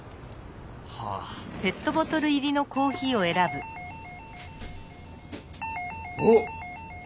はぁ。おっ！